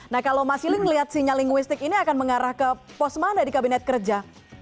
nah kalau mas iling melihat sinyal linguistik ini akan mengarah ke pos mana di kabinet kerja